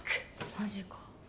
マジか。